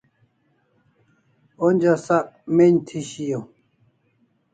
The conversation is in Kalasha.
Onja sak men'j thi shiaw